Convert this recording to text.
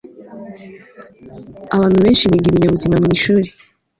abantu benshi biga ibinyabuzima mwishuri